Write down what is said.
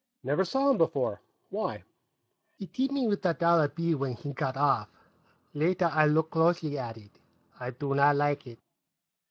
"Never saw him before. Why?" "He tipped me with a dollar bill when he got off. Later, I looked closely at it. I do not like it."